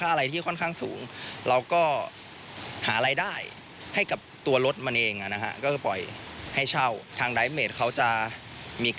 อะไรประมาณนี้ครับก็ทำให้ผมสบายใจในส่วนหนึ่งได้นะครับ